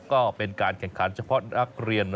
ก็เป็นการแข่งขันเฉพาะนักเรียน